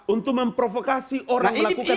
untuk memprovokasi orang melakukan